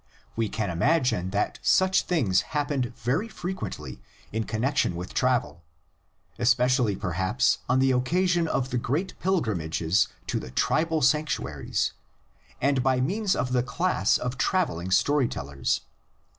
We can imagine that such things happened very frequently in connex ion with travel, especially perhaps on the occasion of the great pilgrimages to the tribal sanctuaries, and by means of the class of travelling story tellers.